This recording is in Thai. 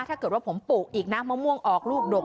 ถ้าเกิดว่าผมปลูกอีกนะมะม่วงออกลูกดก